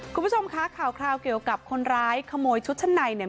คุณผู้ชมคะข่าวเกี่ยวกับคนร้ายขโมยชุดชั้นในเนี่ย